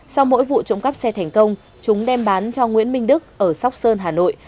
sau mỗi vụ trộm cắp xe thành công chúng đem bán cho nguyễn minh đức ở sóc sơn hà nội